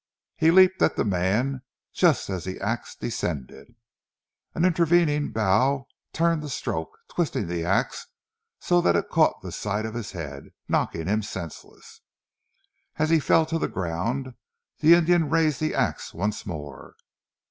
He leaped at the man just as the ax descended. An intervening bough turned the stroke, twisting the ax so that it caught the side of his head, knocking him senseless. As he fell to the ground, the Indian raised the ax once more.